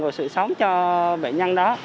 của sự sống cho bệnh nhân đó